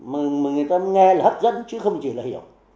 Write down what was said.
mà người ta nghe là hấp dẫn chứ không chỉ là hiểu